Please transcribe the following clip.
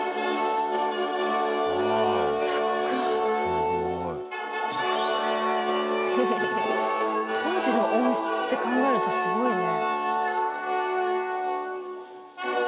すごい。当時の音質って考えるとすごいよね。